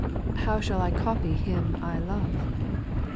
XI How shall I copy Him I love